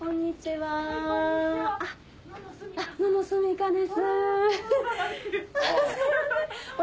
はい。